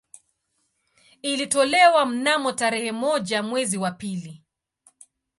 Ilitolewa mnamo tarehe moja mwezi wa pili